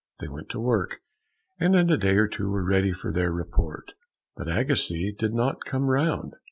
They went to work and in a day or two were ready for their report. But Agassiz didn't come round.